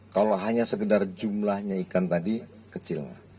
kalau hanya sekedar jumlahnya ikan tadi kecil lah